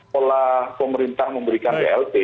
pola pemerintah memberikan dld